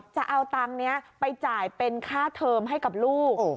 จะเอาตังค์นี้ไปจ่ายเป็นค่าเทอมให้กับลูก